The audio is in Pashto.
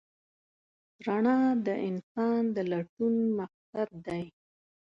رڼا د انسان د لټون مقصد دی.